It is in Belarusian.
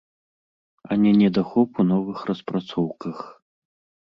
А не недахоп у новых распрацоўках.